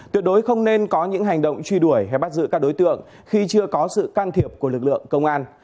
tuyệt đối không nên có những hành động truy đuổi hay bắt giữ các đối tượng khi chưa có sự can thiệp của lực lượng công an